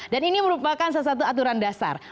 dan ini merupakan salah satu aturan dasar